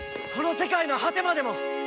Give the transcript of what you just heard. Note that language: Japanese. この世界の果てまでも！